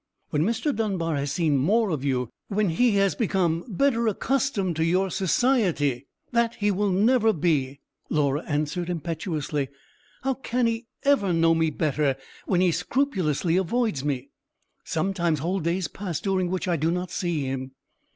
When Mr. Dunbar has seen more of you, when he has become better accustomed to your society——" "That he will never be," Laura answered, impetuously. "How can he ever know me better when he scrupulously avoids me? Sometimes whole days pass during which I do not see him.